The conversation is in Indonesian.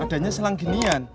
adanya selang ginian